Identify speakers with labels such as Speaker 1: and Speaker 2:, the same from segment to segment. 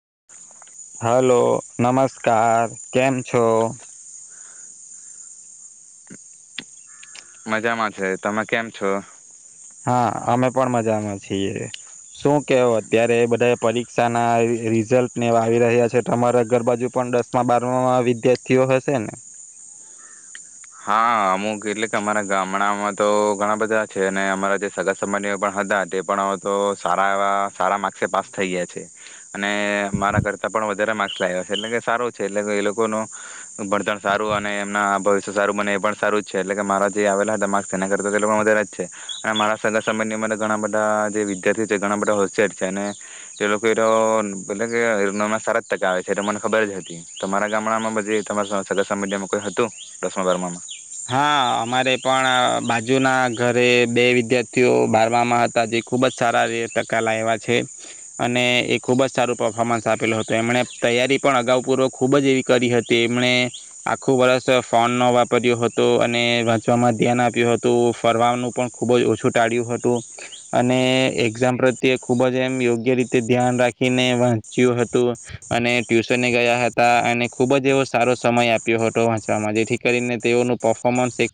Speaker 1: [inaudible]
Speaker 2: Hello. નમસ્કાર કેમ છો?
Speaker 1: મજામાં છે. તમે કેમ છો?
Speaker 2: હા અમે પણ મજામાં છીએ. શું કેવો અત્યારે બધાએ પરીક્ષા ના રી રિઝલ્ટ ને આવી રહ્યા છે, તમારે ઘર બાજુ પણ દસમાં, બારમા વિદ્યાર્થીઓ હશે ને?
Speaker 1: હા અમુક એટલે કે અમારા ગામડામાં તો ઘણા બધા છે. ને અમારા જે સગા સંબંધીઓ પણ હતા, તે પણ તો સારા એવા સારા માર્ક્સે પાસ થઈ ગયા છે. અને અમારા કરતા પણ વધારે માર્ક્સ લાવ્યા છે. એટલે કે સારું છે. એટલે કે એ લોકોનું ભણતણ સારું અને એમના ભવિષ્ય સારું મને એ પણ સારું જ છે. એટલે કે મારા જે આવેલા હતા માર્ક્સ એના કરતા તો એ લોકોના વધારે જ છે. અને મારા સગા સંબંધી માતો ઘણા બધા જે વિદ્યાર્થી છે. ઘણા બધા હોશિયાર છે ને તે લોકો એતો [unintelligible] સારા જ ટકા આવે છે. મને ખબર જ હતી. તો મારા ગામડામાં તમારા સગા સંબંધી માં કોઈ હતું? દસમા, બારમા માં
Speaker 2: હા અમારે પણ બાજુના ઘરે બે વિદ્યાર્થીઓ બારમાં હતા. જે ખુબ જ સારા ટકા લાવ્યા છે. અને એ ખૂબ જ સારું પફોર્મન્સ આપેલો હતો. એમણે તૈયારી પણ અગાઉ પૂર્વ ખુબ જ એવી કરી હતી. એમણે આખું વર્ષ ફોન ન વાપર્યો હતો તો અને વાંચવામાં ધ્યાન આપ્યું હતું. ફરવાનું પણ ખૂબ જ ઓછું ટાળ્યું હતું. અને એક્ઝામ પ્રત્યે ખૂબ જ એમ યોગ્ય રીતે ધ્યાન રાખીને વાંચ્યું હતું. અને ટ્યુશને ગયા હતા. અને ખૂબ જ એવો સારો સમય આપ્યો હતો વાંચવામાં. જેથી કરીને તેઓનું પફોમન્સ એક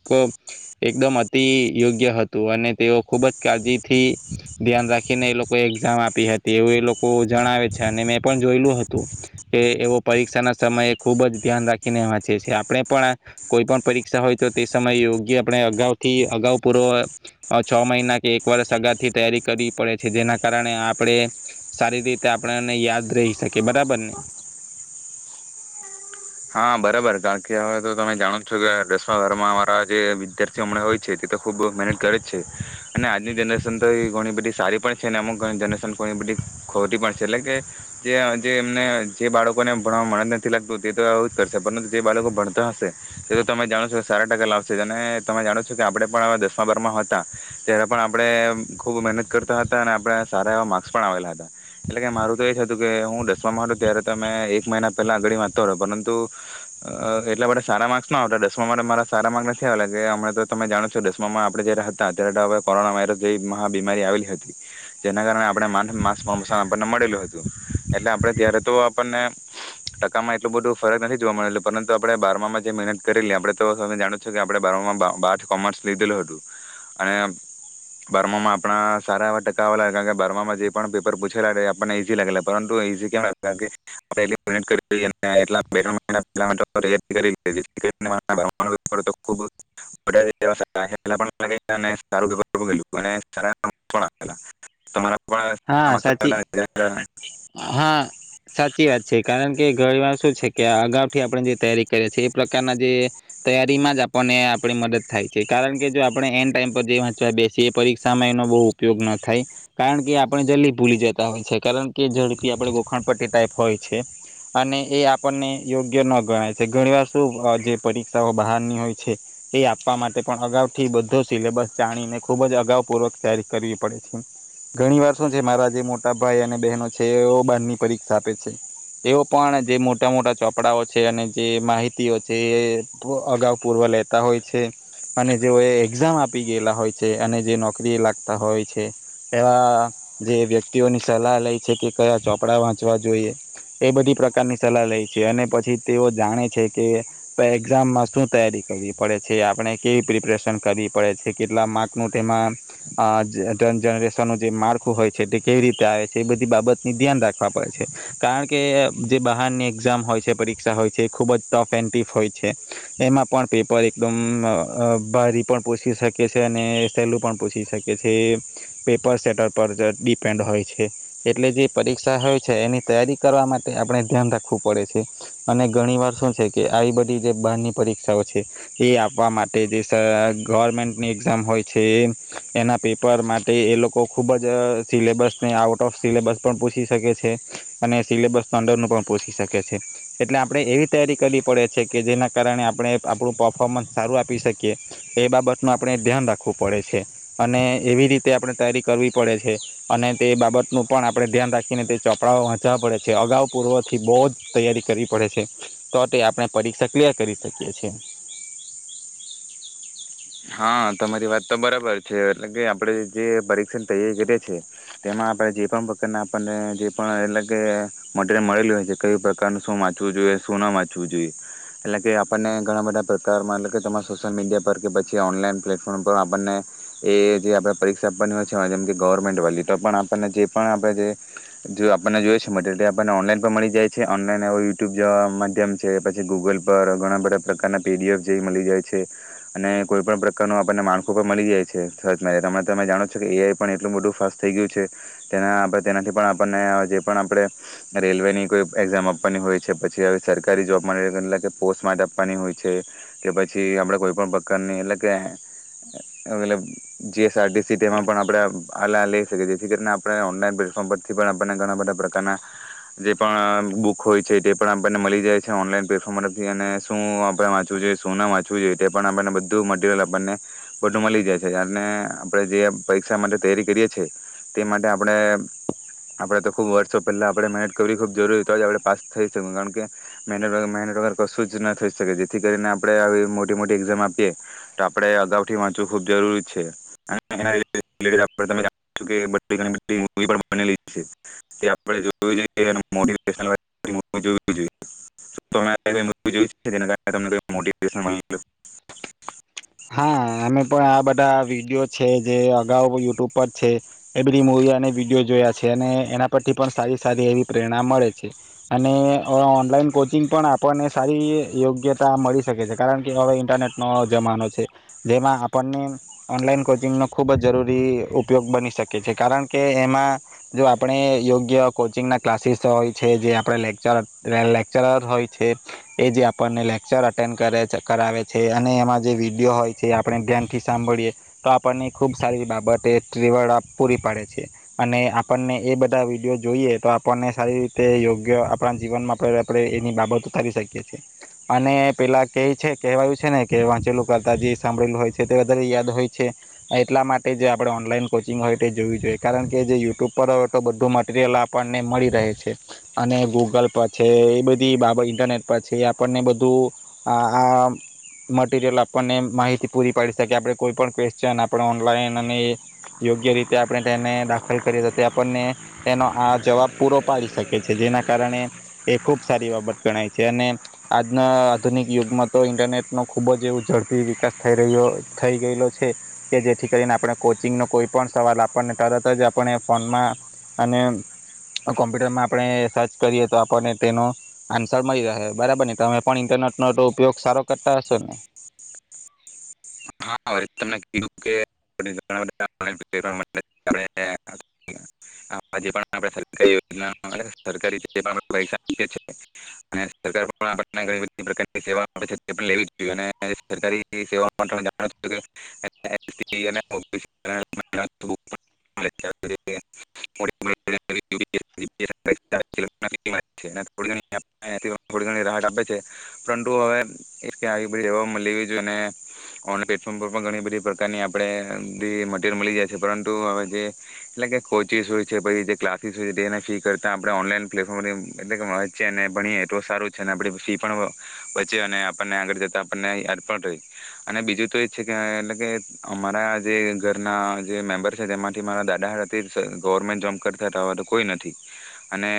Speaker 2: એકદમ અતિ યોગ્ય હતું. અને તેઓ ખુબ જ કાળજીથી ધ્યાન રાખીને એ લોકોએ એક્ઝામ આપી હતી. એવું એ લોકો જણાવે છે. અને મેં પણ જોયેલું હતું કે એ ઓ પરીક્ષા ના સમયે ખુબ જ ધ્યાન રાખીને વાંચે છે. આપણે પણ કોઈ પણ પરીક્ષા હોય તો તે સમયે યોગ્ય આપણે અગાઉથી અગાઉ પૂરો છ મહિના કે એક વરષ અગાઉથી તૈયારી કરવી પડે છે. જેના કારણે આપણે સારી રીતે આપણને યાદ રહી શકીએ. બરાબર ને
Speaker 1: હા બરાબર. કારણ કે હવે તો તમે જાણો છો કે દસ ઘરમાં અમારા જે વિદ્યાર્થીઓ હમણાં હોય છે તે તો ખૂબ મહેનત કરે જ છે. અને આજની જનરેશન તો એ ઘણી બધી સારી પણ છે. અને અમુક જનરેશન ઘણી બધી ખોટી પણ છે. એટલે કે જે એમને જે બાળકોને ભણવામાં મન જ નથી લાગતું તે તો આવું કરશે. પરંતુ જે બાળકો ભણતા હશે તે તો તમે જાણો છો સારા ટકા લાવશે. અને તમે જાણો છો કે આપણે પણ દસમા, બારમાં હતા ત્યારે પણ આપણે ખુબ મહેનત કરતા હતા. અને આપણે સારા એવા માર્ક્સ પણ આવેલા હતા. એટલે કે મારું તો એ જ હતું કે હું દસમામાં હતો ત્યારે તમે એક મહિના પહેલા અગળ વાંચતો. રહ પરંતુ અ એટલા બધા સારા માર્ક્સ ન આવતા દસમામાં તો મારા સારા માર્ક્સ નથી આવેલા. કે હમ તો તમે જાણો છો દસમામાં આપડે જયારે હતા ત્યારે તો હવે કોરોના વાયરસ જેવી મહા બીમારી આવેલી હતી. જેના કારણે આપણે માન માર્ક્સ સારા મળેલું હતું. એટલે આપણે ત્યારે તો આપણને ટકામાં એટલું બધું ફરક નથી જો આપણે બારમામાં જે મહેનત કરેલી આપડે તો તમે જાણોજ છું કે આપણે બારવા મા બાર કોમર્સ લીધેલું હતું. અને બારમામાં આપણા સારા એવા ટકા આવેલા. કારણ કે બારમામાં જે પણ પેપર પૂછેલા આપણને ઈઝી લાગેલા. પરંતુ ઈઝી કેમ [unintelligible] [unintelligible]
Speaker 2: હા સાચી
Speaker 1: [unintelligible]
Speaker 2: હા સાચી વાત છે. કારણ કે ઘણી વાર શું છે કે અગાઉથી આપણે જે તૈયારી કરીએ છીએ એ પ્રકારના જે તૈયારી માં જ આપણને આપણી મદદ થાય છે. કારણ કે જો આપણે એન ટાઈમ પર જે વાંચવા બેસીએ, એ પરીક્ષામાં એનો બહુ ઉપયોગ ન થાય કારણ કે આપણે જલ્દી ભૂલી જતા હોય છે. કારણ કે ઝડપી આપ ગોખાણ પટ્ટી ટાઈપ હોય છે. અને એ આપણને યોગ્ય ન ગણાય છે. ઘણી વાર શું જે પરીક્ષાઓ બહારની હોય છે, એ આપવા માટે પણ અગાઉ થી બધો સિલેબસ જાણીને ખુબજ અગાઉ પૂર્વક તારી કરવી પડે છે. ઘણી વાર શું છે મારા જે મોટા ભાઈ અને બહેનો છે. ઓ બારની પરીક્ષા આપે છે. એ ઓ પણ જે મોટા મોટા ચોપડાઓ છે, અને જે માહિતીઓ છે. એ અગાઉ પૂર્વ લેતા હોય છે. અને જેઓ એ એક્ઝામ આપી ગયેલા હોય છે. અને જે નોકરી એ લાગતા હોય છે, એવા જે વ્યક્તિઓની સલાહ લે છે કે કયા ચોપડા વાંચવા જોઈએ. એ બધી પ્રકારની સલાહ લે છે. અને પછી તેઓ જાણે છે કે એક્ઝામમાં શું તૈયારી કરવી પડે છે. આપણે કેવી પ્રિપરેશન કરવી પડે છે. કેટલા માર્કનું તેમાં જનરેશનનું જે માર્ખું હોય છે, તે કેવી રીતે આવે છે. એ બધી બાબત ધ્યાન રાખવા પડે છે. કારણ કે જે બહારની એક્ઝામ હોય છે, પરીક્ષા હોય છે. એ ખૂબ જ ટફ એન્ડ ટીફ હોય છે. એમાં પણ પેપર એકદમ અ બારી પણ પૂછી શકે છે. અને સહેલું પણ પૂછી શકે છે. પેપર સેટર પર ડિપેન્ડ હોય છે. એટલે જે પરીક્ષા હોય છે, એની તૈયારી કરવા માટે આપણે ધ્યાન રાખવું પડે છે. અને ઘણી વાર શું છે કે આવી બધી જે બારની પરીક્ષાઓ છે. એ આપવા માટે જે ગવર્મેન્ટની એક્ઝામ હોય છે, એના પેપર માટે એ લોકો ખુબ જ સિલેબસને આવટ તો ઓફ સિલેબસ પણ પૂછી શકે છે. અને સિલેબસના અંડરનું પણ પૂછી શકે છે. એટલે આપણે એવી તૈયારી કરવી પડે છે, કે જેના કારણે આપણે આપણું પફોમન્સ સારું આપી શકીએ એ બાબતનું આપણે ધ્યાન રાખવું પડે છે. અને એવી રીતે આપણે તૈયારી કરવી પડે છે. અને તે બાબત નું પણ આપણે ધ્યાન રાખીને તે ચોપડાઓ વાંચવા પડે છે. અગાઉ પૂર્વથી બહુ જ તૈયારી કરવી પડે છે. તો તે આપણે પરીક્ષા ક્લિયર કરી શકીએ છે.
Speaker 1: હા તમારી વાત તો બરાબર છે, એટલે કે આપણે જે પરીક્ષણ તૈયારી કરીએ છે, તેમાં આપણે જે પણ પ્રકારના આપણને જે પણ એટલે કે મટીરયલ મળેલ હોય છે. કઈ પ્રકારનું શું વાંચવું જોઈએ, શું ના વાંચવું જોઈએ, એટલે કે આપણને ઘણા બધા પ્રકારમાં એટલે કે તમા સોશિયલ મીડિયા પર કે જે ઓનલાઈન પ્લેટફોર્મ પર આપણને, એ જે આપણે પરીક્ષા આપવાની હોય છે. જેમ કે ગવર્મેન્ટવાળલી તો પણ આપણને જે, પણ આપણે જે જો આપણને જોઈ છે, મટેરિલ આપણને ઓનલાઈન પણ મળી જાય છે. ઓનલાઈન એ યુટ્યુબ જેવા માધ્યમ છે, પછી ગૂગલ પર ઘણા બધા પ્રકારના પીડીએફ જેવી મળી જાય છે. અને કોઈ પણણ પ્રકારનું આપણને માળખું પણ મળી જાય છે, સર્ચમાં હમં તમે જાણો છો કે એ આઈ પણ એટલું બધું ફાસ્ટ થઈ ગયું છે, તેના આપણે તેનાથી પણ આપણને જે પણ આપણે રેલવેની કોઈ એક્ઝામ આપવાની હોય છે, પછી હવે સરકારી જોબ માટે એટ કે પોસ્ટ માટે આપવાની હોય છે, કે પછી આપણે કોઈપણ એટલે કે આવેલ જીએસઆરટીસી તેમાં પણ આપણે આલા લઈ શકીએ, જેથી કરીને આપણે ઓનલાન પ્લેટફોર્મ પરથી આપને ઘણા બધા પ્રકારના જે પણ બુક હોય છે, તે પણ આપણને મળી જાય છે, ઓનલાન પ્લેટફોર્મ પરથી શું આપણે વાચવું જોઈએ શું ના વાંચવું જોઈએ તે પણ આપણને બધું મટરિયલ આપણને બું મળી જાય છે, અને આપણે જે પરીક્ષા માટે તૈયારી કરીએ છીએ, તે માટે આપણે આપણે તો ખૂબ વર્ષો પહેલા આપણે મહેનત કરવી ખૂબ જરૂરી, હોય તો જ આપણે પાસ થઈ શકી, કારણ કે મહેનત મહેનત વગર કશું જ ન થઈ શકે, જેથી કરીને આપણે આવી મોટી મોટી એક્ઝામ આપીએ તો આપણે અગાઉથી વાંચવું ખબ જરૂરી છે.
Speaker 2: હા અમે પણ આ બધા આવી વિયો છે જે અગાઉ યુટ્યુબ પર છે, એવરી મુવી અને વિડીયો જોયા છે, અને એના પરથી પણ સારી સારી એવી પ્રેરણા મળે છે, અને ઓનલાઈન કોચિંગ પણ આપણને સારી યોગ્યતા મળી શકે છે કારણ કે હવે ઇન્ટરનેટ ન જમાનો છે. જેમાં આપણને ઓનલાઈન કોચિંગનો ખૂબ જ જરૂરી ઉપયોગ બની શકે છે, કારણ કે એમાં જો આપણે યોગ્ય કોચિંગના ક્લાસીસ હોય છે, જે આપણે લેક્ચર લેક્ચરર હોય છે, એ જે આપણને લેક્ચર અટેન્ડ કરે કરાવે છે, અને એમાં જે વિ વિડીયો હોય છે આપણે ધ્યાનથી સાંભળીએ, તો આપણને ખુબ સારી બાબત એ ટવર પૂરી પાડે છે, અને આપણને એ બધા વિડીયો જોઈએ તો આપણને સારી રીતે યોગ્ય આપણા જીવનમાં આપ એની બાબતો કરી શકીએ છીએ, અને પેલા ક છે કહેવાયું છે ને કે વાંચેલું કરતા જે સાભળેલું હોય છે તે વધારે યાદ હોય છે, એટલા માટે જે આપણે ઓનલાઈન કોચિંગ હોય તે જોવું જોઈએ કારણ કે જે યુટ્યુબ પર હોય તો બધું મટરિયલ આપણને મળી રહે છે, અને ગૂગલ પર છે, એ બધી બાબત ઇન્ટરનેટ પર છે આપણને બધું આ મટીરિયલ આપને માહિતી પૂરી પાડી શકીએ. આપણે કોઈ પણ ક્વેશ્ચન આપણે ઓનલાઈન અને, યોગ્ય રીતે આપણે તેને દાખલ કરીએ તો તે આપણને, તેનો આ જવાબ પૂરો પાડી શકે છે, જેના કારણે એ ખૂબ સારી બાબત ગણાય છે અને આજના આધુનિક યુગમાં તો ઇન્ટરનેટ ન ખૂબ જ એવું ઝડપ પી વિકાસ થઈ રહ્યો થઈ ગયેલો છે, કે જેથી કરીને આપણે કોચિંગનો કોઈ પણ સવાલ આપણને તરત જ આપણે ફોનમાં, અને કોમ્પ્યુટરમાં આપણે સર્ચ કરીએ તો આપણને તેનો, આન્સર મળી રહે. બરાબર ને તમે પણ ઇન્ટરનેટનો ઉપયોગ સારો કરતા હશો ને?
Speaker 1: હા તમને કીધું કે [unintelligible] જે પણ આપણે સરકારીયોજના સરકારી છે પૈસા અને સરકાર પણ આપણને ઘણી બધી પ્રકારની સેવા આપ છે તે પણ લેવી જોઈએ અને સરકારી સેઓ જાણું કે [unintelligible] રા આપે છે પરંતુ હવે બધીવા લે જોઈએ ઓ પ્લેટફોર્મ પરણી બધી પ્રકારની આપ મરયલ મળી જાય છે પરંતુવેટલે [unintelligible] ચીઝ હોય છે પછી જે ક્લાસીસ હોય છે તે એને ફી કરતાં આપણે ઓનલાઈન પ્લેટફોર્મ એટલે કે વચે અને ભણીએ એટલું સારું છે અને આપણી ફી પણ, બચે અને આપણને આગળ જતાં આપણને યાદ પણ રહે, અને બીજું તો એ જ છે કે એટલે કે અમારા જે ઘરના જે મેમ્બર છે તેમાંથી મારા દાદાથી ગવર્મેન્ટ જોબ કરતા હતા હવે તો કોઈ નથી, અને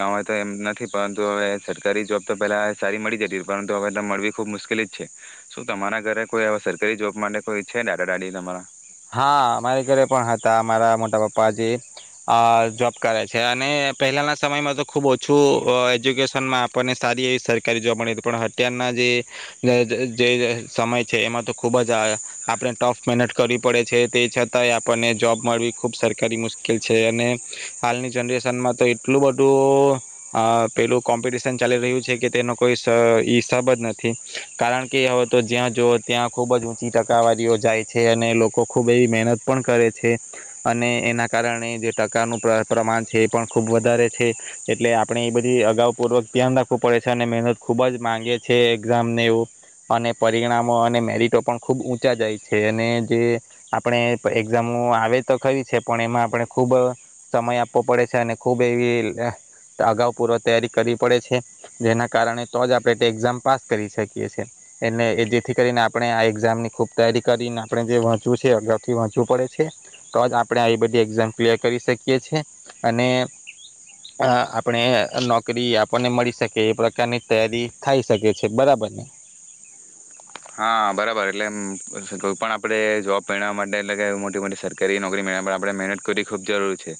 Speaker 1: હવે તો એમ નથી પરંતુ હવે સરકારી જોબ તો પેલા સારી મળી જતી પરંતુ હવે મળવી ખુબ મુશ્કેલી જ છે, શું તમારા ઘરે કોઈ સરકારી જોબ માટે કોઈ છે દાદા દાડી તમારા?
Speaker 2: હા મારે ઘરે પણ હતા મારા મોટા પપ્પાજી, અ જોબ કરે છે અને પહેલાના સમયમાં તો ખુબ ઓછું એજ્યુકેશનમાં આપણને સારી એવી સરકારી જોબ મળી હતી પણ અત્યારના જે, સમય છે એમાં તો ખુબ જ આપણે ટફ મહેનત કરી પડે છે તે છતાંય આપણને જોબ મળવી ખૂબ સરકારી મુશ્કેલ છે અને, હાલની જનરેશનમાં તો એટલું બધું, પેલું કોમ્પિટિશન ચાલી રહ્યું છે કે તેનો કોઈ હિસાબ જ નથી, કારણ કે હવે તો જ્યાં જ ત્યાં ખૂબ જ ઊંચી ટકાવારીઓ જાય છે અને લોકો ખૂબ એવી મહેનત પણ કરે છે, અને એના કારણે જે ટકાનું પ્રમાણ છે એ પણ ખૂબ વધારે છે, એટલે આપણે એ બધી અગાઉપૂર્વક ધ્યાન રાખવું પડે છે અને મહેનત ખૂબ જ માગેીએ એક્ઝામને એવું, અને પરિણામો અને મેરિટો પણ ખૂબ ઊંચા જાય છે અને જે આપણે એક્ઝામો આવે તો કરી છે પણ એમાં આપણે ખુબ સમય આપવો પડે છે અને ખુબ એવી, અગાઉ પૂર્વ તૈયારી કરવી પડે છે, જેના કારણે તો જ આપણે એક્ઝામ પાસ કરી શકીએ છીએ, એ જેથી કરીને આપણે આ એક્ઝામની ખૂબ તૈયારી કરીને આપણે જે છે અગાઉથી વાંચવું પડે છે, તો જ આપણે આવી બધી એક્ઝામ ક્લિયર કરી શકીએ છે, અને આપણે નોકરી આપણને મળી શકે એ પ્રકારની તૈયારી થાય શકે છે બરાબર ને.
Speaker 1: હા બરાબર એટલે કોઈ પણ આપણે જોબ મેવા માટે એટલે કે મોટી મોટી સરકારી નોકરી મેવવા માટે આપણે મહેનત કરવી ખૂબ જરૂર છે.